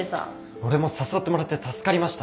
俺も誘ってもらって助かりました